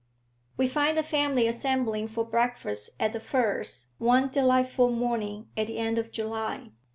We find the family assembling for breakfast at The Firs one delightful morning at the end of July.